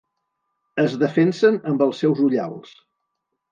Es defensen amb els seus ullals.